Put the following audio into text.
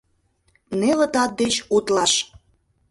Неле тат деч утлаш